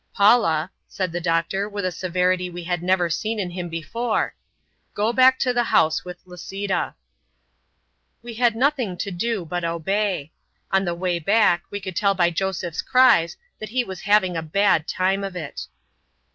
"Paula," said the doctor with a severity we had never seen in him before, "Go back to the house with Lisita!" We had nothing to do but obey. On the way back we could tell by Joseph's cries that he was having a bad time of it!